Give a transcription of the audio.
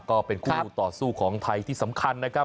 ก็เป็นคู่ต่อสู้ของไทยที่สำคัญนะครับ